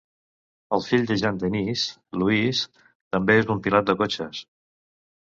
El fill de Jean-Denis, Louis, també és un pilot de cotxes.